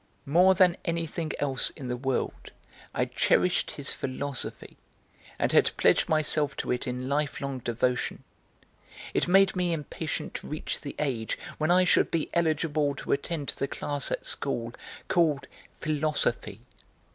More than anything else in the world I cherished his philosophy, and had pledged myself to it in lifelong devotion. It made me impatient to reach the age when I should be eligible to attend the class at school called 'Philosophy.'